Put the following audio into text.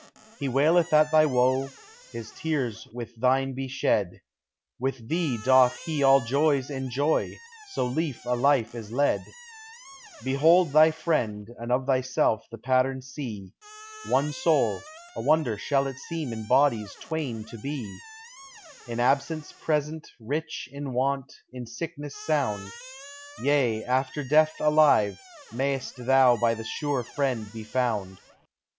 He waileth at thy woe, his tears with thine be shed ; With thee doth he all joys enjoy, so leef a life is led. Digitized by Google FlUVXDtSUIP. Behold thy friend, and of thyself the pattern see, One soul, a wonder shall it seem in bodies twain to be; In absence present, rich in want, in sickness sound, Yea, after death alive, mayst thou by thy sure friend be found.